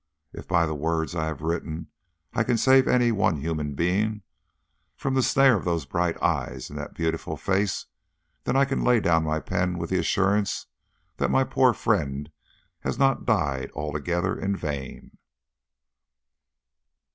If by the words I have written I can save any one human being from the snare of those bright eyes and that beautiful face, then I can lay down my pen with the assurance that my poor friend has not died altogether in vain.